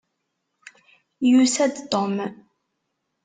Yusa-d Tom?